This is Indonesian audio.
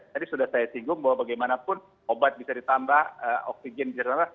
tadi sudah saya singgung bahwa bagaimanapun obat bisa ditambah oksigen bisa ditambah